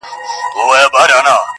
چې دا د لوی کندهار